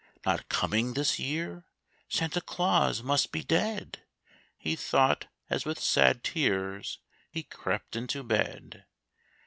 Not coming this year? Santa Claus must be dead, He thought, as with sad tears he crept into bed.